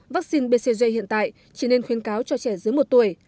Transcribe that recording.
vaccine bcg hiện tại chỉ nên khuyên cáo cho trẻ dưới một tuổi